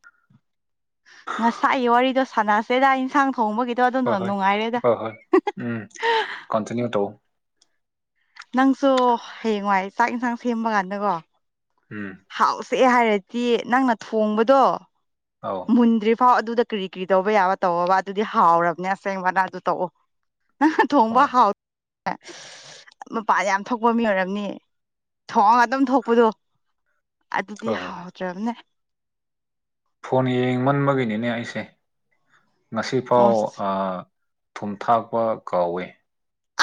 [inaudible] ꯉꯁꯥꯏꯒꯤ ꯋꯥꯔꯤꯗꯣ ꯁꯥꯟꯅꯁꯦꯗ ꯏꯟꯁꯥꯡ ꯊꯣꯡꯕꯒꯤꯗꯣ ꯑꯗꯨꯅ ꯅꯨꯡꯉꯥꯏꯔꯦꯗ ꯀꯣꯟꯇꯅ ꯅꯪꯁꯨ ꯍꯌꯦꯡꯋꯥꯏ ꯆꯥꯛ ꯌꯦꯟꯁꯥꯡ ꯁꯦꯝꯕ ꯀꯥꯟꯗꯀꯣ ꯎꯝ ꯆꯛꯑꯦ ꯍꯥꯏꯔꯗꯤ ꯅꯪꯅ ꯊꯣꯡꯕꯗꯣ ꯑꯧ ꯃꯨꯟꯗ꯭ꯔꯤꯕ ꯐꯥꯎ ꯑꯗꯨꯗ ꯀꯔꯤ ꯀꯔꯤ ꯇꯧꯕ ꯌꯥꯕ ꯇꯧꯕ ꯑꯗꯨꯗꯤ ꯍꯥꯎꯔꯕꯅꯦ ꯑꯁꯦꯡꯕꯅ ꯑꯗꯨ ꯇꯧꯑꯣ ꯊꯣꯡꯕ ꯍꯣꯏ ꯍꯥꯎ ꯃꯄꯥꯟꯗ ꯌꯥꯝ ꯊꯣꯛꯄ ꯃꯤ ꯑꯣꯏꯔꯝꯅꯤ ꯊꯣꯡꯋꯥꯡ ꯑꯗꯨꯝ ꯊꯣꯛꯄꯗꯣ ꯑꯗꯨꯗꯤ ꯍꯣꯏ ꯍꯣꯏ ꯍꯥꯎꯗ꯭ꯔꯕꯅꯦ ꯐꯣꯟ ꯌꯦꯡꯃꯟꯕꯒꯤꯅꯤꯅꯦ ꯑꯩꯁꯦ ꯉꯁꯤꯐꯥꯎ ꯑꯁ ꯊꯨꯝꯊꯥꯛꯄ ꯀꯥꯎꯏꯤ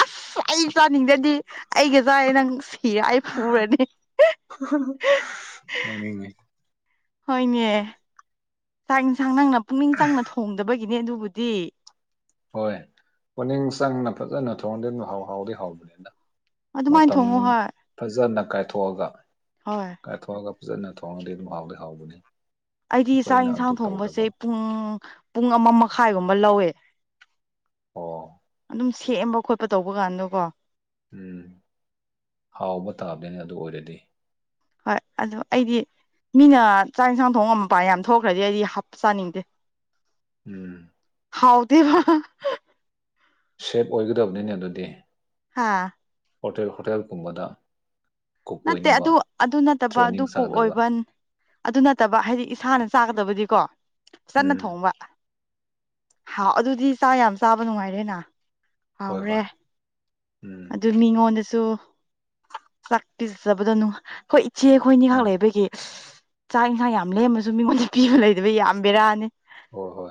ꯑꯁ ꯑꯩ ꯆꯥꯅꯤꯡꯗꯗꯤ ꯑꯩꯒꯖꯥ ꯅꯪ ꯁꯤ ꯑꯩ ꯐꯨꯔꯅꯤ [inaudible] ꯍꯣꯏꯅꯦ ꯆꯥꯛ ꯌꯦꯟꯁꯥꯡ ꯅꯪꯅ ꯄꯨꯛꯅꯤꯡ ꯆꯪꯅ ꯊꯣꯡꯗꯕꯒꯤ ꯒꯤꯅꯦ ꯑꯗꯨꯕꯨꯗꯤ ꯍꯣꯏ ꯄꯨꯛꯅꯤꯡ ꯆꯪꯅ ꯐꯖꯅ ꯊꯣꯡꯗꯤ ꯍꯥꯎꯗꯤ ꯍꯥꯎꯕꯅꯤꯅ ꯑꯗꯨꯃꯥꯏꯅ ꯃꯇꯝ ꯊꯣꯡꯉꯣ ꯍꯣꯏ ꯐꯖꯅ ꯀꯥꯏꯊꯣꯛꯑꯒ ꯍꯣꯏ ꯀꯥꯏꯊꯣꯛꯑꯒ ꯐꯖꯅ ꯊꯣꯡꯉꯗꯤ ꯑꯗꯨꯝ ꯍꯥꯎꯗꯤ ꯍꯥꯎꯕꯅꯤ ꯑꯩꯗꯤ ꯆꯥꯛ ꯑꯩꯈꯣꯏꯅ ꯏꯟꯁꯥꯡ ꯑꯗꯨ ꯊꯣꯡꯕꯁꯦ ꯇꯧꯗꯕ ꯄꯨꯡ ꯄꯨꯡ ꯑꯃ ꯃꯈꯥꯏꯒꯨꯝꯕ ꯂꯧꯋꯦ ꯑꯣ ꯁꯨꯝ ꯁꯦꯝꯕ ꯈꯣꯠꯄ ꯇꯧꯕ ꯀꯥꯟꯗꯣꯀꯣ ꯎꯝ ꯍꯥꯎꯕ ꯇꯥꯕꯅꯤꯅ ꯑꯗꯨ ꯑꯣꯏꯔꯗꯤ ꯍꯣꯏ ꯑꯗꯨꯣ ꯑꯩꯗꯤ ꯃꯤꯅ ꯆꯥꯛ ꯌꯦꯟꯁꯥꯡ ꯊꯣꯡ ꯉ ꯃ ꯄꯥꯏ ꯌꯥꯝ ꯊꯣꯛꯈ꯭ꯔꯗꯤ ꯑꯩꯗꯤ ꯍꯥꯞ ꯆꯥꯅꯤꯡꯗꯦ ꯎꯝ ꯍꯥꯎꯗꯤꯕ ꯁꯦꯞ ꯑꯣꯏꯒꯗꯕꯅꯤꯅꯦ ꯑꯗꯨꯗꯤ ꯍꯥꯥ ꯍꯣꯇꯦꯜ ꯍꯣꯇꯦꯜꯒꯨꯝꯕꯗ ꯀꯨꯛ ꯅꯠꯇꯦ ꯑꯣꯏꯅꯕ ꯑꯗꯨ ꯑꯗꯨ ꯅꯠꯇꯕ ꯑꯗꯨ ꯇ꯭ꯔꯦꯅꯤꯡ ꯀꯣꯛ ꯆꯥꯒꯗꯕ ꯑꯣꯏꯕ ꯑꯗꯨ ꯅꯠꯇꯕ ꯍꯥꯏꯗꯤ ꯏꯁꯥꯅ ꯆꯥꯀꯗꯕꯗꯤꯀꯣ ꯆꯅ ꯎꯝ ꯊꯣꯡꯕ ꯍꯥꯎ ꯑꯗꯨꯗꯤ ꯆꯥ ꯌꯥꯝ ꯆꯥꯕ ꯅꯨꯡꯉꯥꯏꯔꯦꯅ ꯍꯣꯏ ꯍꯥꯎꯔꯦ ꯍꯣꯏ ꯎꯝ ꯑꯗꯨ ꯃꯤꯉꯣꯟꯗꯁꯨ ꯄꯤꯖꯆꯕꯗꯅꯨ ꯑꯩꯈꯣꯏ ꯏꯆꯦ ꯑꯩꯈꯣꯏꯅꯤꯍꯥꯛ ꯍꯣꯏ ꯂꯩꯕꯒꯤ ꯆꯥꯛ ꯏꯟꯁꯥꯡ ꯌꯥꯝ ꯂꯦꯝꯃꯁꯨ ꯃꯤꯉꯣꯟꯗ ꯄꯤꯕ ꯂꯩꯗꯕ ꯌꯥꯝꯕꯔꯥꯅꯤ ꯍꯣꯏ ꯍꯣꯏ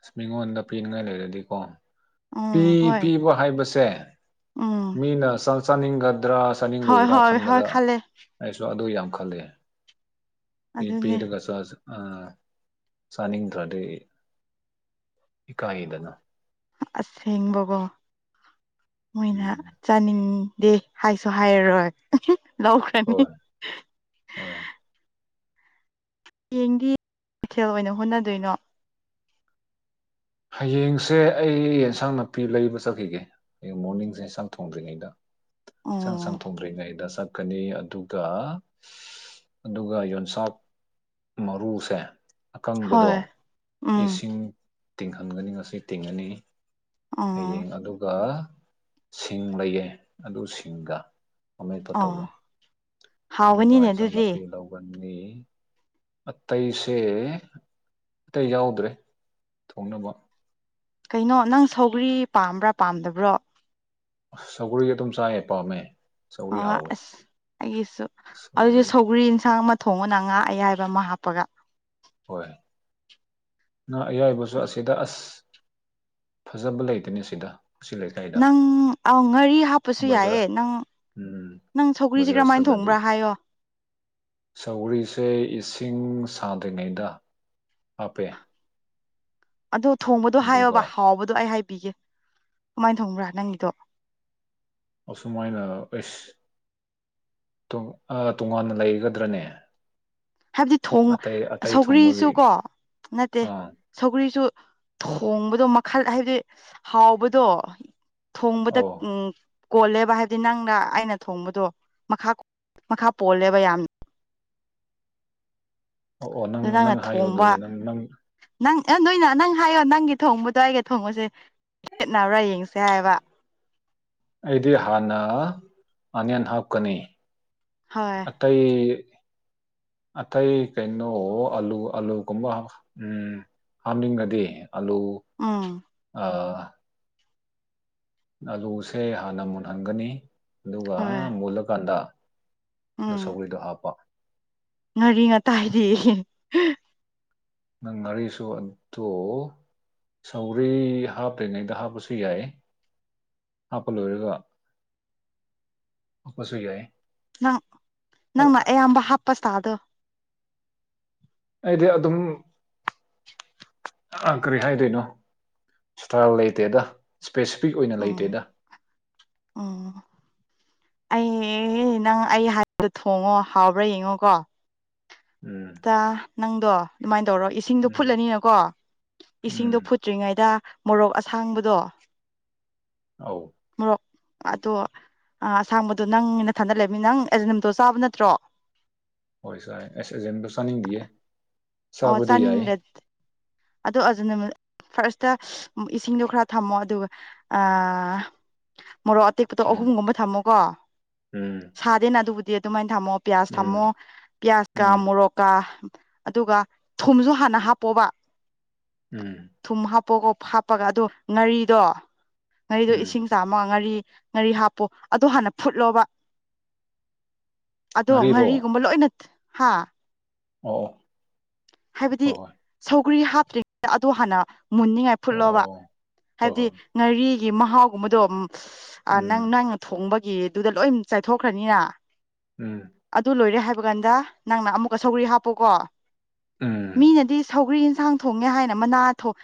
ꯑꯁ ꯃꯤꯉꯣꯟꯗ ꯄꯤꯅꯤꯡꯉꯥꯏ ꯂꯩꯔꯗꯤꯀꯣ ꯄꯤ ꯎꯝ ꯍꯣꯏ ꯄꯤꯕ ꯍꯥꯏꯕꯁꯦ ꯎꯝ ꯃꯤꯅ ꯆꯪ ꯆꯥꯅꯤꯡꯒ ꯗ꯭ꯔꯥ ꯍꯣꯏ ꯆꯥꯅꯤꯡꯂꯣꯏꯗ꯭ꯔꯥ ꯍꯣꯏ ꯍꯣꯏ ꯈꯟꯕꯗ ꯈꯜꯂꯦ ꯑꯩꯁꯨ ꯑꯗꯨ ꯌꯥꯝ ꯈꯂꯦ ꯄ ꯑꯗꯨꯅꯦ ꯄꯔꯒꯁꯨ ꯁꯅꯤ ꯊꯔꯤ ꯍꯀ ꯍꯗꯅ ꯑꯁꯦꯡꯕꯀꯣ ꯃꯣꯏꯅ ꯎꯝ ꯆꯥꯅꯤꯡꯉ ꯗꯦ ꯍꯥꯏꯁꯨ ꯍꯥꯏꯔꯔꯣꯏ ꯂꯧꯈ꯭ꯔꯅꯤ ꯍꯣꯏ ꯍꯣꯏ ꯍꯌꯦꯡꯗꯤ ꯀꯩꯊꯦꯜ ꯑꯣꯏꯅ ꯍꯣꯠꯅꯗꯣꯏꯅꯣ ꯍꯌꯦꯡꯁꯦ ꯑꯩ ꯑꯦꯟꯁꯥꯡ ꯅꯥꯄꯤ ꯂꯩꯕ ꯆꯠꯈꯤꯒꯦ ꯑꯩ ꯃꯣꯔꯅꯤꯡꯁꯦ ꯏꯁꯟꯁꯥꯡ ꯊꯣꯡꯗ꯭ꯔꯤꯉꯩꯗ ꯏꯁꯪ ꯎꯝ ꯁꯪꯥꯡ ꯊꯣꯡꯗ꯭ꯔꯤꯉꯩꯗ ꯀꯅꯤ ꯑꯗꯨꯒ ꯑꯗꯨꯒ ꯌꯣꯟꯆꯥꯛ ꯃꯔꯨꯁꯦ ꯑꯀꯪꯕꯗꯣ ꯍꯣꯏ ꯎꯝ ꯏꯁꯤꯡ ꯇꯤꯡꯍꯟꯒꯅꯤ ꯉꯁꯤ ꯇꯤꯡꯉꯅꯤ ꯑꯣ ꯍꯌꯦꯡ ꯑꯗꯨꯒ ꯁꯤꯡ ꯂꯩꯌꯦ ꯑꯗꯨ ꯁꯤꯡꯒ ꯑꯃꯦꯠꯄ ꯑꯣ ꯇꯧꯏꯤ ꯑꯗꯨꯒ ꯍꯥꯎꯒꯅꯤꯅꯦ ꯏꯟꯖꯥꯡ ꯑꯗꯨꯗꯤ ꯅꯥꯄꯤ ꯂꯧꯒꯅꯤ ꯅꯤ ꯍꯠꯇꯩꯁꯦ ꯑꯠꯇꯩꯁ ꯌꯥꯎꯗ꯭ꯔꯦ ꯊꯣꯡꯅꯕ ꯀꯩꯅꯣ ꯅꯪ ꯁꯧꯒ꯭ꯔꯤ ꯄꯥꯝꯕ꯭ꯔꯥ ꯄꯥꯝꯗꯕ꯭ꯔꯣ ꯁꯒꯂꯣꯟꯒꯤ ꯇꯨꯝ ꯆ ꯑꯦ ꯄꯥꯝꯃꯦ ꯑ ꯁꯧꯒ꯭ꯔꯤ ꯍꯥꯎꯋꯦ ꯑꯁ ꯍꯥꯏꯦꯁꯨ ꯑꯗꯨꯁꯨ ꯁꯧꯒ꯭ꯔꯤ ꯏꯟꯁꯥꯡ ꯊꯣꯡꯉꯅ ꯉꯥ ꯑꯌꯥꯏꯕ ꯑꯃ ꯍꯥꯞꯄꯒ ꯍꯣꯏ ꯅꯪ ꯑꯌꯥꯏꯕꯁꯨ ꯑꯁꯤꯗ ꯑꯁ ꯐꯖꯕ ꯂꯩꯇꯅꯦ ꯁꯤꯗ ꯁꯤ ꯂꯩꯀꯥꯏꯗ ꯅꯪ ꯑ ꯉꯥꯔꯤ ꯍꯥꯞꯄꯁꯨ ꯕꯖꯥꯔ ꯌꯥꯏꯑꯦ ꯅꯪ ꯎꯝ ꯅꯪ ꯁꯧꯒ꯭ꯔꯤꯁꯦ ꯀꯔꯝꯍꯥꯏꯅ ꯊꯣꯡꯕ꯭ꯔꯥ ꯍꯥꯏꯌꯣ ꯁꯧꯔꯤꯁꯦ ꯏꯁꯤꯡ ꯁꯥꯗ꯭ꯔꯤꯉꯩꯗ ꯍꯥꯞꯄꯦ ꯑꯗꯨ ꯊꯣꯡꯕꯗꯣ ꯑꯗꯨꯒ ꯍꯥꯏꯌꯣꯕ ꯍꯥꯎꯕꯗꯣ ꯑꯩ ꯍꯥꯏ ꯄꯤꯒꯦ ꯀꯃꯥꯏꯅ ꯊꯣꯡꯕ꯭ꯔꯥ ꯅꯪꯒꯤꯗꯣ ꯑꯁꯨꯃꯥꯏꯅ ꯑꯦꯁ ꯇꯣꯉꯥꯟꯅ ꯂꯩꯒꯗ꯭ꯔꯅꯦ ꯍꯥꯏꯕꯗꯤ ꯊꯣꯡ ꯑꯇꯩ ꯑꯇꯩ ꯁꯧꯒ꯭ꯔꯤꯁꯨ ꯊꯨꯡꯕꯒꯤ ꯀꯣ ꯅꯠꯇꯦ ꯑꯥ ꯁꯧꯒꯔꯤꯁꯨ ꯊꯣꯡꯕ ꯑꯗꯣ ꯃꯈꯜ ꯍꯥꯏꯕꯗꯤ ꯍꯥꯎꯕꯗꯣ ꯊꯣꯡꯕꯗ ꯑꯧ ꯎ ꯀꯣꯜꯂꯦꯕ ꯍꯥꯏꯕꯗꯤ ꯅꯪꯅ ꯑꯩꯅ ꯊꯣꯡꯕꯗꯣ ꯃꯈꯥ ꯃꯈꯥ ꯄꯣꯜꯂꯦꯕ ꯌꯥꯝ ꯑꯣ ꯑꯣ ꯅꯪ ꯑꯗꯨ ꯅꯪꯅ ꯅꯪ ꯍꯥꯏꯌꯣ ꯊꯣꯡꯕ ꯑꯗꯨꯗꯤ ꯅꯪ ꯅꯪ ꯅꯪ ꯑꯦ ꯅꯣꯏꯅ ꯅꯪ ꯍꯥꯏꯌꯣ ꯅꯪꯒꯤ ꯊꯣꯡꯕꯗꯣ ꯑꯩꯒ ꯊꯣꯡꯉꯨꯁꯦ ꯈꯦꯠꯅꯕ꯭ꯔꯥ ꯌꯦꯡꯁꯦ ꯍꯥꯏꯕ ꯑꯩꯗꯤ ꯍꯥꯟꯅ ꯑꯅꯤꯌꯟ ꯍꯥꯞꯀꯅꯤ ꯍꯣꯏ ꯑꯇꯩꯇꯩ ꯑꯇꯩ ꯀꯩꯅꯣ ꯑꯂꯨ ꯑꯂꯨꯒꯨꯝꯕ ꯎꯝ ꯍꯥꯞꯅꯤꯡꯉꯗꯤ ꯑꯂꯨ ꯎꯝ ꯑ ꯑꯂꯨꯁꯦ ꯍꯥꯟꯅ ꯃꯨꯟꯍꯟꯒꯅꯤ ꯑꯗꯨꯒ ꯍꯣꯏ ꯃꯨꯜꯂꯀꯥꯟꯗ ꯑ ꯎꯝ ꯁꯧꯒꯔꯤꯗꯣ ꯍꯥꯞꯄ ꯉꯥꯔꯤ ꯉꯥꯇꯥꯏꯔꯤ ꯅꯪ ꯉꯔꯤꯁꯨꯨ ꯑꯗꯨꯗꯣ ꯁꯧꯒꯔꯤ ꯍꯥꯞꯇ꯭ꯔꯤꯉꯩꯗ ꯍꯥꯞꯄꯁꯨ ꯌꯥꯏ ꯍꯥꯞꯄ ꯂꯣꯏꯔꯒ ꯍꯥꯞꯄꯁꯨ ꯌꯥꯏ ꯅꯪ ꯅꯪꯅ ꯑꯌꯥꯝꯕ ꯍꯥꯞꯄꯁꯇꯥꯗꯣ ꯍꯥꯏꯗꯤ ꯑꯗꯨꯝ ꯑ ꯀꯔꯤ ꯍꯥꯏꯗꯣꯏꯅꯣ ꯁ꯭ꯇꯥꯏꯜ ꯂꯩꯇꯦꯗ ꯁ꯭ꯄꯦꯁꯤꯐꯤꯛ ꯑꯣꯏꯅ ꯂꯩꯇꯦꯗ ꯑꯥ ꯑꯩ ꯅꯪ ꯑꯩ ꯍꯥꯏꯕ ꯊꯣꯡꯉꯣ ꯍꯥꯎꯕ꯭ꯔꯥ ꯌꯦꯡꯉꯣꯀꯣ ꯎꯝ ꯇꯥ ꯅꯪꯗꯣ ꯑꯗꯨꯃꯥꯏꯅ ꯇꯧꯔꯣ ꯏꯁꯤꯡꯗꯣ ꯎꯝ ꯐꯨꯠꯂꯅꯤꯅꯀꯣ ꯎꯝ ꯏꯁꯤꯡꯗꯣ ꯐꯨꯠꯇ꯭ꯔꯤꯉꯩꯗ ꯃꯣꯔꯣꯛ ꯑꯁꯥꯡꯕꯗꯣ ꯑ ꯃꯣꯔꯣꯛ ꯑꯗꯣ ꯑꯁꯥꯡꯕꯗꯣ ꯅꯪ ꯅꯊꯟꯗ ꯂꯩꯕꯃꯤ ꯅꯪ ꯑꯦꯖꯅꯝꯗꯣ ꯆꯥꯕ ꯅꯠꯇ꯭ꯔꯣ ꯍꯣꯏ ꯁꯥꯏ ꯑꯁ ꯑꯦꯖꯦꯟꯗꯣ ꯆꯥꯅꯤꯡꯗꯤꯌꯦ ꯑꯣ ꯆꯥꯕꯗꯤ ꯌꯥꯏ ꯆꯥꯅꯤꯡꯗꯗꯤ ꯑꯗꯣ ꯑꯗꯨꯖꯅ ꯐꯥꯔꯁꯇ ꯏꯁꯤꯡꯗꯣ ꯈꯔ ꯊꯝꯃꯣ ꯑꯗꯨꯒ ꯃꯣꯔꯣꯛ ꯑꯇꯦꯛꯄꯇꯣ ꯎꯝ ꯑꯍꯨꯝꯒꯨꯝꯕ ꯊꯝꯃꯣꯀꯣ ꯎꯝ ꯁꯥꯗꯦꯅ ꯑꯗꯨꯕꯨꯗꯤ ꯑꯗꯨꯃꯥꯏꯅ ꯊꯝꯃꯣ ꯄ꯭ꯌꯥꯖ ꯊꯝꯃꯣ ꯎꯝ ꯄꯤꯌꯥꯖ ꯀꯥ ꯎꯝ ꯃꯨꯔꯣꯛ ꯀꯥ ꯑꯗꯨꯒ ꯊꯨꯝꯁꯨ ꯍꯥꯟꯅ ꯍꯥꯞꯄꯣꯕ ꯎꯝ ꯊꯨꯝ ꯍꯥꯞꯄꯣꯒ ꯍꯥꯞꯄꯒ ꯑꯗꯣ ꯉꯥꯔꯤꯗꯣ ꯉꯥꯔꯤꯗꯣ ꯎꯝ ꯏꯁꯤꯡ ꯆꯥꯝꯃ ꯉꯥꯔꯤ ꯉꯥꯔꯤ ꯍꯥꯞꯄꯣ ꯑꯗ ꯍꯥꯟꯅ ꯐꯨꯠꯂꯣꯕ ꯑꯗꯣ ꯉꯥꯔꯤꯔꯣ ꯉꯥꯔꯤꯒꯨꯝꯕ ꯂꯣꯏꯅ ꯍꯥ ꯑꯣ ꯍꯥꯏꯕꯗꯤ ꯑꯣ ꯍꯣꯏ ꯁꯧꯒ꯭ꯔꯤ ꯍꯥꯞꯇ꯭ꯔꯤꯉꯩꯗ ꯑꯗꯣ ꯍꯥꯟꯅ ꯃꯨꯅꯤꯡꯉꯥꯏ ꯐꯨꯠꯂꯣꯕ ꯍꯣꯏ ꯑꯣ ꯍꯣꯏ ꯍꯥꯏꯕꯗꯤ ꯍꯣꯏ ꯉꯥꯔꯤꯒꯤ ꯃꯍꯥꯎꯒꯨꯝꯕꯗꯣ ꯑ ꯅꯪ ꯎꯝ ꯅꯪꯅ ꯊꯣꯡꯕꯒꯤ ꯑꯗꯨꯗ ꯂꯣꯏ ꯆꯥꯏꯊꯣꯛꯈ꯭ꯔꯅꯤꯅ ꯎꯝ ꯑꯗꯨ ꯂꯣꯏꯔꯦ ꯍꯥꯏꯕ ꯀꯥꯟꯗ ꯅꯪꯅ ꯑꯃꯨꯛꯀ ꯁꯧꯒꯔꯤ ꯍꯥꯞꯄꯨꯀꯣ ꯎꯝ ꯃꯤꯅꯗꯤ ꯁꯧꯒ꯭ꯔꯤ ꯌꯦꯟꯁꯥꯡ ꯊꯣꯡꯉꯦ ꯍꯥꯏꯅ ꯃꯅꯥ ꯊꯣꯡ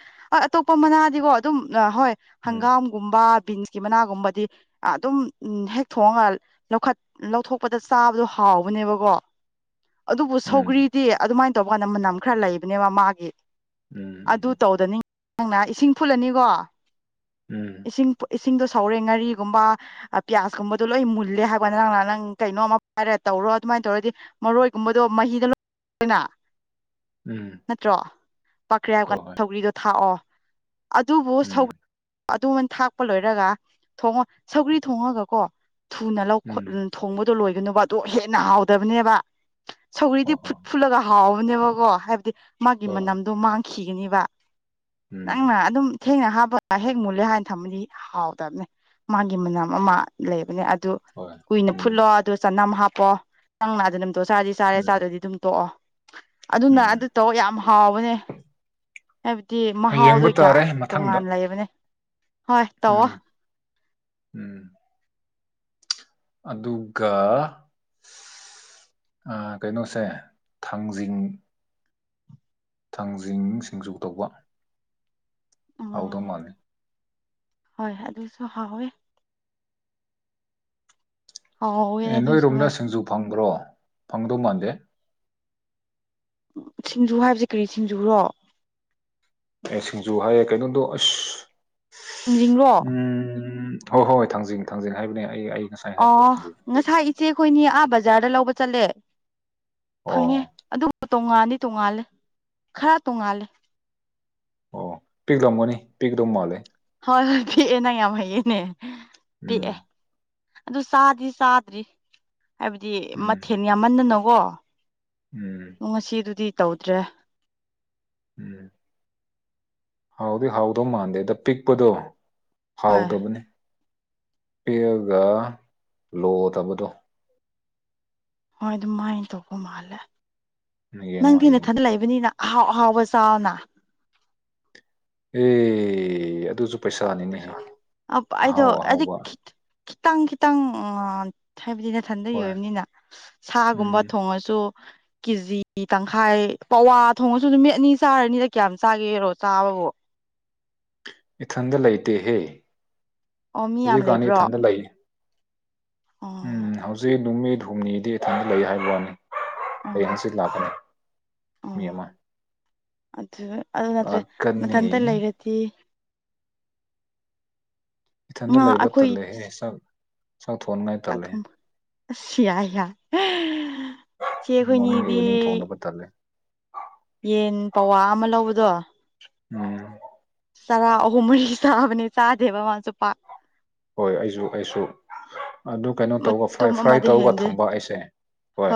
ꯑꯇꯣꯞꯄ ꯃꯅꯥꯗꯤꯀꯣ ꯑꯗꯨꯝ ꯑ ꯍꯣꯏ ꯎꯝ ꯍꯪꯒꯥꯝꯒꯨꯝꯕꯥ ꯕꯤꯟꯁꯀꯤ ꯃꯅꯥꯒꯨꯝꯕꯗꯤ ꯑꯗꯨꯝ ꯍꯦꯛ ꯊꯣꯡꯉꯒ ꯂꯧꯈꯠ ꯂꯧꯊꯣꯛꯄꯗ ꯆꯥꯕꯗꯣ ꯍꯥꯎꯕꯅꯦꯕꯀꯣ [unintelligible] ꯑꯗꯨꯕꯨ ꯎꯝ ꯁꯧꯒ꯭ꯔꯤꯗꯤ ꯑꯗꯨꯃꯥꯏꯅ ꯇꯧꯕ ꯀꯥꯟꯗ ꯃꯅꯝ ꯈꯔ ꯂꯩꯕꯅꯦꯕ ꯃꯥꯒꯤ ꯎꯝ ꯎꯝꯝ ꯅꯪꯅ ꯏꯁꯤꯡ ꯐꯨꯜꯂꯅꯤꯀꯣ ꯎꯝ ꯏꯁꯤꯡ ꯏꯁꯤꯡꯗꯣ ꯁꯧꯔꯦ ꯉꯥꯔꯤꯒꯨꯝꯕ ꯄꯤꯌꯥꯁꯀꯨꯝꯕꯗꯣ ꯂꯣꯏ ꯃꯨꯜꯂꯦ ꯍꯥꯏꯕꯅ ꯅꯪ ꯅꯍ ꯅꯪ ꯀꯩꯅꯣ ꯑꯃ ꯄꯥꯏꯔ ꯇꯧꯔ ꯇꯣ ꯑꯗꯨꯃꯥꯏꯅ ꯇꯧꯔꯗꯤ ꯃꯔꯣꯏꯒꯨꯝꯕꯗꯣ ꯃꯍꯤꯗ ꯂꯣꯏꯅ ꯎꯝ ꯅꯠꯇ꯭ꯔꯣ ꯄꯥꯈ꯭ꯔꯦ ꯍꯥꯏꯕ ꯍꯣꯏ ꯀꯥꯟꯗ ꯍꯣꯏ ꯊꯧꯒ꯭ꯔꯤꯗꯣ ꯊꯥꯛꯑꯣ ꯑꯗꯨꯕꯨ ꯁꯧ ꯎꯝ ꯑꯗꯨꯃꯅ ꯊꯥꯛꯄ ꯂꯣꯏꯔꯒ ꯊꯣꯡꯉꯣ ꯁꯧꯒꯔꯤ ꯊꯣꯡꯉꯒ ꯀꯣ ꯊꯨꯅ ꯎꯝ ꯊꯣꯡꯕꯗꯣ ꯂꯣꯏꯒꯅꯨꯕ ꯑꯣ ꯍꯦꯟꯅ ꯍꯥꯎꯗꯕꯅꯦꯕ ꯁꯧꯒꯔꯤꯗꯤ ꯍꯣꯏ ꯐꯨꯠ ꯍꯣꯏ ꯐꯨꯠꯂꯒ ꯍꯥꯎꯕꯅꯦꯕꯀꯣ ꯍꯥꯏꯕꯗꯤ ꯃꯥꯒꯤ ꯍꯣꯏ ꯍꯣꯏ ꯃꯅꯝꯗꯣ ꯃꯥꯡꯈꯤ ꯈꯤꯒꯅꯦꯕ ꯅꯪꯅ ꯎꯝ ꯑꯗꯨꯝ ꯊꯦꯡꯅ ꯍꯥꯞꯄ ꯍꯦꯛ ꯃꯨꯜꯂꯦ ꯍꯥꯏꯅ ꯊꯃꯗꯤ ꯍꯥꯎꯗꯕꯅꯦ ꯃꯥꯒꯤ ꯃꯅꯝ ꯑꯃ ꯂꯩꯕꯅꯦ ꯑꯗꯨ ꯍꯣꯏ ꯀꯨꯏꯅ ꯎꯝ ꯐꯨꯠꯂꯣ ꯑꯗꯨ ꯆꯅꯝ ꯍꯥꯞꯄꯣ ꯅꯪꯅꯅꯥꯗ ꯐꯣꯇꯣ ꯆꯥꯗꯤ ꯆꯥꯔꯦ ꯎꯝ ꯆꯥꯗꯗꯤ ꯑꯗꯨꯝ ꯇꯣꯛꯑꯣ ꯑꯗꯨꯅ ꯑꯗꯨ ꯎꯝ ꯇꯧ ꯌꯥꯝ ꯍꯥꯎꯕꯅꯦ ꯍꯥꯏꯕꯗꯤ ꯌꯦꯡꯕ ꯃꯍꯥꯎꯗꯣꯒ ꯇꯥꯔꯦ ꯃꯊꯪꯗ ꯇꯣꯉꯥꯟ ꯂꯩꯕꯅꯦ ꯍꯣꯏ ꯇꯧꯑꯣꯣ ꯎꯝ ꯎꯝ ꯑꯗꯨꯒ ꯀꯩꯅꯣꯁꯦ ꯊꯥꯡꯖꯤꯡ ꯊꯥꯡꯖꯤꯡ ꯁꯤꯡꯖꯨ ꯇꯧꯕ ꯍꯧꯥꯎꯗ ꯑꯣ ꯃꯥꯅꯤ ꯍꯣꯏ ꯑꯗꯨꯁꯨ ꯍꯣꯏꯦ ꯍꯥꯎꯋꯦ ꯑꯦ ꯑꯗꯨꯁꯨ ꯅꯣꯏꯔꯣꯝꯗ ꯍꯣꯏ ꯁꯤꯡꯖꯨ ꯐꯪꯕ꯭ꯔꯣ ꯐꯪꯗꯧ ꯃꯥꯟꯗꯦ ꯁꯤꯡꯖꯨ ꯍꯥꯏꯕꯕꯁꯤꯦ ꯀꯔꯤ ꯁꯤꯡꯖꯨꯔꯣ ꯑꯦ ꯁꯤꯡꯖꯨ ꯍꯥꯏꯌꯦ ꯀꯩꯅꯣꯗꯣ ꯑꯁ ꯍꯪꯅꯤꯡꯔꯣ ꯎꯝ ꯍꯣꯏ ꯍꯣꯏ ꯍꯣꯏ ꯊꯥꯡꯖꯉꯦ ꯊꯥꯡꯖꯅꯤꯡꯦ ꯍꯥꯏꯕꯅꯦ ꯑꯩ ꯉꯁꯥꯏ ꯍꯥꯏꯕꯗꯣ ꯑꯣ ꯊꯥꯡꯖꯤꯡ ꯍꯥꯏꯗꯣꯏꯅꯦ ꯉꯁꯥꯏ ꯏꯆꯦ ꯑꯩꯈꯣꯏꯅꯤ ꯑꯥ ꯕꯖꯥꯔꯗ ꯂꯧꯕ ꯆꯠꯂꯦ ꯑꯣ ꯐꯪꯉꯦ ꯑꯗꯨꯕꯨ ꯇꯣꯉꯥꯟꯗꯤ ꯇꯣꯡꯉꯥꯜꯂꯦ ꯈꯔ ꯇꯣꯉꯥꯜꯂꯦ ꯑꯣ ꯄꯤꯛ ꯂꯝꯒꯣꯅꯤ ꯄꯤꯛ ꯂꯝ ꯃꯥꯣꯂꯦ ꯍꯣꯏ ꯍꯣꯏ ꯄꯤꯛꯑꯦ ꯅꯪ ꯌꯥꯝ ꯍꯩꯌꯦꯦꯅꯦ ꯎꯝ ꯑꯗꯨ ꯆꯥꯗꯤ ꯆꯥꯗ꯭ꯔꯤ ꯍꯥꯏꯕꯗꯤ ꯎꯝ ꯃꯊꯦꯜ ꯌꯥꯝꯃꯟꯗꯅꯀꯣ ꯎꯝ ꯉꯁꯤ ꯑꯗꯨꯗꯤ ꯇꯧꯗ꯭ꯔꯦ ꯎꯝ ꯍꯥꯎꯗꯤ ꯍꯥꯎꯗꯧ ꯃꯥꯟꯗꯦ ꯑꯗ ꯄꯤꯛꯄꯗꯣ ꯍꯣꯏ ꯍꯥꯎꯗꯕꯅꯤ ꯄꯤꯑꯒ ꯂꯣꯗꯕꯗꯣ ꯍꯣꯏ ꯑꯗꯨꯃꯥꯏꯅ ꯇꯧꯕ ꯃꯥꯜꯂꯦ ꯌꯦꯡꯉꯣ ꯅꯪꯗꯤ ꯅ ꯍꯌꯦꯡ ꯊꯥꯗꯠꯂꯛꯏꯕꯅꯤꯅ ꯍꯥꯎ ꯍꯥꯎꯕ ꯆꯥꯎꯅꯥ ꯑꯦ ꯑꯗꯨꯁꯨ ꯄꯩꯁꯥꯅꯤꯅꯦꯍꯦ ꯑ ꯑꯗꯣ ꯑꯍꯥꯎ ꯑꯗꯨ ꯑꯍꯥꯎꯕ ꯈꯤꯇꯪ ꯈꯤꯇꯪ ꯍꯥꯏꯕꯗꯤ ꯅꯊꯟꯗꯩ ꯍꯣꯏ ꯑꯣꯏꯕꯅꯤꯅ ꯁꯥꯒꯨꯝꯕ ꯎꯝ ꯊꯣꯡꯉꯁꯨ ꯀꯦꯖꯤ ꯇꯪꯈꯥꯏ ꯄꯋꯥ ꯊꯣꯡꯉꯁꯨ ꯅꯨꯃꯤꯠ ꯑꯅꯤ ꯆꯥꯔꯅꯤꯗ ꯀꯌꯥꯝ ꯆꯥꯒꯦꯔꯣ ꯆꯥꯕ ꯑꯣ ꯏꯊꯟꯗ ꯂꯩꯇꯍꯦ ꯑꯣ ꯃꯤ ꯌꯥꯝ ꯍꯧꯖꯤꯛ ꯀꯍꯥꯅꯤ ꯂꯩꯕ꯭ꯔꯣ ꯏꯊꯟꯗ ꯂꯩ ꯎꯝ ꯑꯣ ꯍꯧꯖꯤꯛ ꯅꯨꯃꯤꯠ ꯍꯨꯝꯅꯤꯗꯤ ꯏꯊꯟꯇ ꯂꯩ ꯍꯥꯏꯕ ꯋꯥꯅꯤ ꯑꯩ ꯑꯣ ꯍꯪꯆꯠ ꯂꯥꯛꯀꯅꯤ ꯃꯤ ꯑꯣ ꯑꯃ ꯑꯗꯨ ꯑꯗꯨ ꯅꯠꯇ꯭ꯔꯦ ꯂꯥꯛꯀꯅꯤ ꯃꯊꯟꯇ ꯂꯩꯔꯗꯤ ꯉꯥ ꯏꯊꯟꯗ ꯂꯩꯕ ꯑꯩꯈꯣꯏ ꯇꯜꯂꯦꯍꯦ ꯁꯛ ꯆꯥꯎꯥꯎ ꯊ ꯐꯣꯟꯣꯟ ꯉꯥꯏꯇꯥꯂꯦ ꯁꯤꯌꯥ ꯍꯌꯥ ꯃꯣꯔꯅꯤꯡ ꯏꯚꯅꯤꯡ ꯊꯣꯡꯅꯕ ꯇꯥꯂꯦ ꯌꯦꯟ ꯄꯋꯥ ꯑꯃ ꯂꯧꯕꯗꯣ ꯎꯝ ꯆꯔꯥ ꯑꯍꯨꯝ ꯃꯔꯤ ꯆꯕꯅꯤ ꯆꯥꯗꯦꯕ ꯃꯥꯁꯨ ꯄꯥ ꯍꯣꯏ ꯑꯩꯁꯨ ꯑꯩꯁꯨ ꯑꯗꯨ ꯀꯩꯅꯣ ꯇꯧ ꯐ꯭ꯔꯥꯏ ꯃꯇꯨꯝ ꯐ꯭ꯔꯥꯏ ꯑꯃꯗ ꯇꯧꯒ ꯍꯦꯟꯗꯦ ꯊꯝꯕ ꯑꯩꯁꯦ ꯍꯣꯏ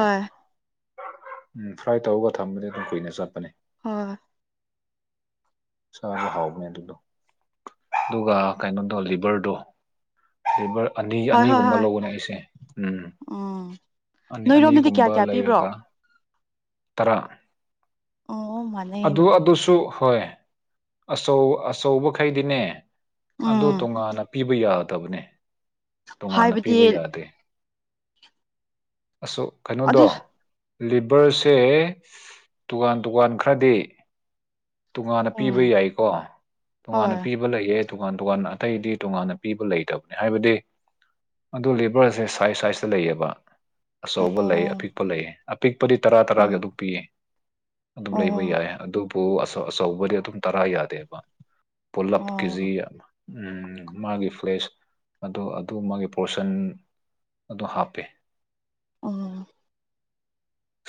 ꯎꯝ ꯐ꯭ꯔꯥꯏ ꯇꯧꯔꯒ ꯊꯝꯕꯗꯤ ꯑꯗꯨꯝ ꯀꯨꯏꯅ ꯆꯠꯄꯅꯦ ꯍꯣꯏ ꯆ ꯍꯥꯎꯥꯎ ꯃꯗꯨꯂꯣ ꯑꯗꯨꯒ ꯀꯩꯅꯣꯗꯣ ꯂꯤꯚꯔꯗꯣ ꯂꯤꯚꯔ ꯑꯅꯤ ꯍꯣꯏ ꯍꯣꯏ ꯑꯅꯤꯒꯨꯝꯕ ꯍꯣꯏ ꯂꯧꯕꯅꯦ ꯑꯩꯁꯦ ꯎꯝ ꯎꯝ ꯑꯅꯤ ꯅꯣꯏꯔꯣꯝꯗꯗꯤ ꯀꯌꯥ ꯑꯅꯤꯒꯨꯝꯕ ꯀꯌꯥ ꯄꯤꯕ꯭ꯔꯣ ꯂꯩꯔꯒ ꯇꯔꯥ ꯑꯣ ꯑꯗꯨ ꯃꯅꯦꯅꯦ ꯑꯗꯨꯁꯨ ꯍꯣꯏ ꯑꯆꯧ ꯑꯆꯧꯕꯈꯩꯗꯤꯅꯦ ꯑꯗꯨ ꯎꯝ ꯇꯣꯉꯥꯟꯅ ꯄꯤꯕ ꯌꯥꯔꯣꯏ ꯌꯥꯠꯇꯕꯅꯦ ꯇꯣꯉꯥꯟꯅ ꯄꯤꯕ ꯍꯥꯏꯕꯗꯤ ꯌꯥꯗꯦ ꯑꯁ ꯀꯩꯅꯣꯗꯣ ꯑꯗꯨ ꯂꯤꯚꯔꯁꯦ ꯇꯣꯉꯥꯟ ꯇꯣꯉꯥꯟ ꯈ꯭ꯔꯗꯤ ꯇꯣꯉꯥꯟꯅ ꯄꯤꯕ ꯎꯝ ꯌꯥꯏꯀꯣ ꯇꯣꯉꯥꯟꯅ ꯍꯣꯏ ꯄꯤꯕ ꯂꯩꯌꯦ ꯇꯣꯉꯥꯟ ꯇꯣꯉꯥꯟ ꯑꯇꯩꯗꯤ ꯇꯣꯉꯥꯟꯅ ꯄꯤꯕ ꯂꯩꯇꯕꯅꯦ ꯍꯥꯏꯕꯗꯤ ꯑꯗꯨ ꯂꯤꯕꯔꯁꯦ ꯁꯥꯏꯖ ꯁꯥꯏꯖꯇ ꯂꯩꯌꯦꯕ ꯑꯆꯧꯕ ꯂꯩ ꯑꯣ ꯑꯄꯤꯛꯄ ꯂꯩꯌꯦ ꯑꯄꯤꯛꯄꯗꯤ ꯇꯔꯥ ꯇꯔꯥꯒꯤ ꯑꯣ ꯑꯗꯨꯛ ꯄꯤꯌꯦ ꯑꯗꯨꯝ ꯑꯣ ꯂꯩꯕ ꯌꯥꯏ ꯑꯗꯨꯕꯨ ꯑꯆꯧꯕꯗꯤ ꯑꯗꯨꯝ ꯇꯔꯥ ꯌꯥꯗꯦꯕ ꯄꯨꯜꯂꯞ ꯑꯣ ꯀꯖꯤ ꯎꯝ ꯃꯥꯒꯤ ꯐ꯭ꯂꯦꯁ ꯑꯗꯨ ꯑꯗꯨ ꯃꯥꯒꯤ ꯄꯣꯔꯁꯟ ꯑꯗꯨ ꯍꯥꯞꯄꯤꯦ ꯑ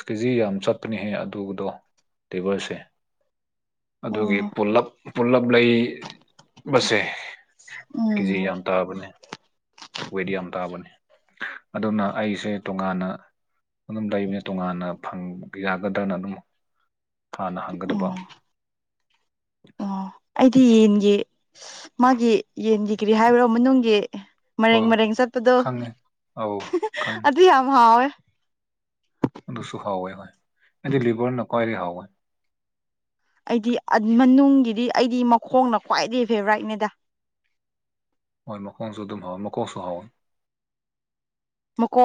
ꯀꯦꯖꯤ ꯌꯥꯝ ꯆꯠꯄꯅꯤꯍꯦ ꯑꯗꯨꯗꯣ ꯇꯦꯕꯔꯁꯦ ꯑꯗꯨꯒꯤ ꯑꯣ ꯄꯨꯂꯞ ꯄꯨꯜꯂꯞ ꯂꯩꯕꯁꯦ ꯀꯦꯖꯤ ꯎꯝ ꯌꯥꯝ ꯇꯥꯕꯅꯦ ꯋꯦꯠ ꯌꯥꯝ ꯇꯥꯕꯅꯤ ꯑꯗꯨꯅ ꯑꯩꯁꯦ ꯇꯣꯉꯥꯟꯅ ꯑꯗꯨꯝ ꯂꯩꯕꯅꯦ ꯇꯣꯉꯥꯟꯅ ꯐꯪ ꯌꯥꯒꯗ꯭ꯔꯅ ꯑꯗꯨꯝ ꯍꯥꯅ ꯍꯪꯒꯗꯕ ꯑꯣ ꯑꯣ ꯑꯩꯗꯤ ꯌꯦꯟꯒꯤ ꯃꯥꯒꯤ ꯌꯦꯟꯒꯤ ꯀꯔꯤ ꯍꯥꯏꯕ꯭ꯔꯣ ꯃꯅꯨꯡꯒꯤ ꯃꯦꯡ ꯑꯣ ꯃꯔꯦꯡ ꯆꯠꯄꯗꯣ ꯈꯪꯉꯦ ꯑꯧ ꯈꯪꯉꯦ ꯑꯗꯨ ꯌꯥꯝ ꯍꯥꯎꯋꯦ ꯑꯗꯨꯗꯨꯁꯨꯨꯍꯥꯎ ꯑꯣꯏ ꯍꯣꯏ ꯑꯗꯤ ꯂꯤꯕꯔ ꯅꯀꯋꯥꯏꯔꯤ ꯍꯥꯎ ꯑꯣꯏ ꯑꯩꯗꯤ ꯃꯅꯨꯡꯒꯤꯗꯤ ꯑꯩꯗꯤ ꯃꯈꯣꯡꯅ ꯈ꯭ꯋꯥꯏꯗꯒꯤꯩ ꯐꯦꯚꯔꯥꯏꯠꯅꯦꯗ ꯍꯣꯏ ꯃꯈꯀꯣꯡꯁꯨ ꯑꯗꯨꯝ ꯍꯥꯎꯋꯏ ꯃꯈꯀꯣꯡꯁꯨ ꯍꯥꯎꯋꯏ ꯃꯨꯀꯣ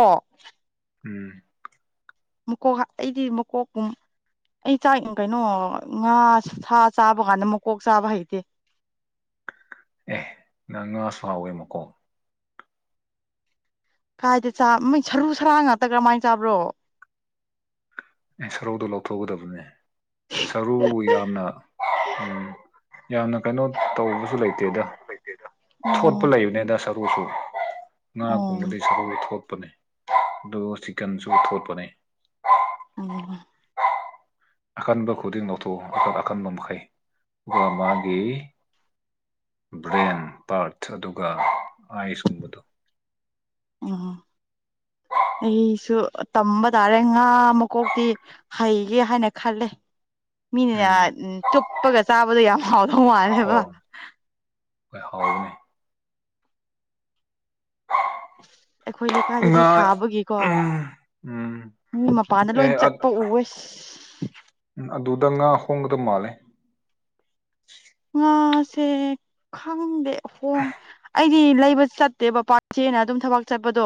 ꯎꯝ ꯃꯀꯣꯛ ꯍꯥ ꯑꯩꯗꯤ ꯃꯀꯣꯛꯀꯨꯝ ꯑꯩ ꯆꯥꯛ ꯎꯝ ꯀꯩꯅꯣ ꯉꯥ ꯁꯥ ꯆꯥꯕ ꯀꯥꯟꯗ ꯃꯀꯣꯛ ꯆꯥꯕ ꯍꯩꯇꯦ ꯑꯦ ꯅꯪ ꯉꯥ ꯁꯥꯎꯋꯦ ꯃꯀꯣꯛ ꯀꯥꯏꯗ ꯆꯥ ꯃꯣꯏ ꯁꯔꯨ ꯁꯔꯥꯡ ꯉꯥꯛꯇ ꯀꯔꯝꯃꯥꯏꯅ ꯆꯥꯕ꯭ꯔꯣ ꯑꯦ ꯁꯔꯨꯗꯣ ꯂꯧꯊꯣꯛꯀꯒꯗꯕꯅꯦ ꯁꯔꯨ ꯌꯥꯝꯅ ꯌꯥꯝꯅ ꯀꯩꯅꯣ ꯇꯧꯕꯁꯨ ꯂꯩꯇꯦꯗ ꯑꯣ ꯊꯣꯠꯄ ꯂꯩꯕꯅꯦꯗ ꯁꯔꯨꯁꯨ ꯑꯣ ꯉꯥꯒꯨꯝꯕꯗꯤ ꯁꯔꯨ ꯊꯣꯠꯄꯅꯦ ꯑꯗꯨꯒ ꯆꯤꯀꯟꯁꯨ ꯊꯣꯠꯄꯅꯦ ꯂꯩꯋꯥ ꯑꯀꯟꯕ ꯈꯨꯗꯤꯡ ꯂꯧꯊꯣꯛꯑꯣ ꯑꯀꯟ ꯑꯀꯟꯕ ꯃꯈꯩ ꯑꯗꯨꯒ ꯃꯥꯒꯤ ꯕ꯭ꯔꯦꯟ ꯄꯔ꯭ꯠꯊ ꯑꯗꯨꯒ ꯑꯥꯏꯁ ꯀꯨꯝꯕꯗꯣ ꯎꯝ ꯑ [inaudible] ꯑꯩꯁꯨ ꯑꯥ ꯇꯝꯕ ꯇꯥꯔꯦ ꯉꯥ ꯃꯀꯣꯛꯇꯤ ꯍꯩꯒꯦ ꯍꯥꯏꯅ ꯈꯜꯂꯦ ꯃꯤꯅꯤꯅꯦ ꯑꯥ ꯎꯝ ꯆꯨꯞꯄꯒ ꯆꯥꯕꯗꯣ ꯌꯥꯝ ꯍꯥꯎꯗꯧ ꯃꯥꯜꯂꯦꯕ ꯑꯣ ꯍꯣꯏ ꯍꯥꯎꯕꯅꯦ ꯑꯩꯈꯣꯏ ꯂꯩꯀꯥꯏꯗꯗꯤ ꯉꯥ ꯁꯥꯕꯒꯤꯀꯣ ꯎꯝ ꯃꯤ ꯃꯄꯥꯟꯗ ꯂꯣꯏ ꯑꯦ ꯆꯠꯄ ꯎꯋꯦ ꯑꯗꯨꯗ ꯉꯥ ꯍꯣꯡꯒꯗꯕ ꯃꯥꯜꯂꯦ ꯁꯦ ꯈꯪꯗꯦ ꯍꯣꯡ ꯑꯩ ꯁꯤ ꯂꯩꯕ ꯆꯠꯇꯦꯕ ꯄꯥꯛ ꯏꯆꯦꯅ ꯑꯗꯨꯝ ꯊꯕꯛ ꯆꯠꯄꯗꯣ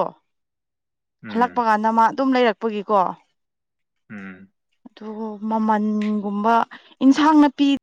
ꯎꯝ ꯍꯜꯂꯛꯄ ꯀꯥꯟꯗ ꯃꯥ ꯑꯗꯨꯝ ꯂꯩꯔꯛꯄꯒꯤꯀꯣ ꯎꯝ ꯗꯨꯒꯨ ꯃꯃꯟꯒꯨꯝꯕ ꯏꯟꯁꯥꯡ ꯅꯥꯄꯤ